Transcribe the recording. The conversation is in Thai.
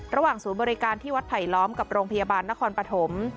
ศูนย์บริการที่วัดไผลล้อมกับโรงพยาบาลนครปฐม